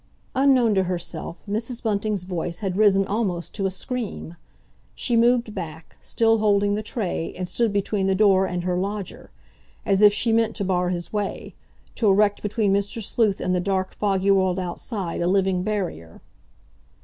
Unknown to herself, Mrs. Bunting's voice had risen almost to a scream. She moved back, still holding the tray, and stood between the door and her lodger, as if she meant to bar his way—to erect between Mr. Sleuth and the dark, foggy world outside a living barrier.